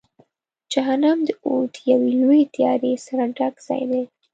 جهنم د اور د یوې لویې تیارې سره ډک ځای دی.